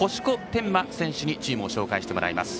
天真選手にチームを紹介してもらいます。